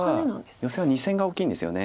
ヨセは２線が大きいんですよね。